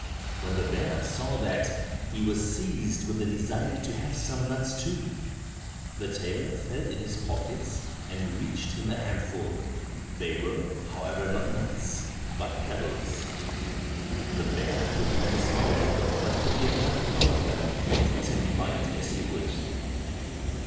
When the bear saw that, he was seized with a desire to have some nuts too. The tailor felt in his pockets, and reached him a handful; they were, however, not nuts, but pebbles. The bear put them in his mouth, but could get nothing out of them, let him bite as he would.